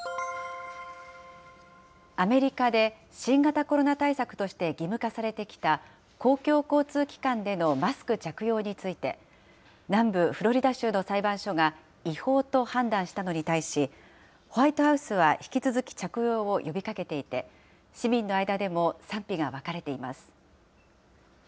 アメリカで新型コロナ対策として義務化されてきた公共交通機関でのマスク着用について、南部フロリダ州の裁判所が違法と判断したのに対し、ホワイトハウスは引き続き着用を呼びかけていて、市民の間でも賛否が分かれています。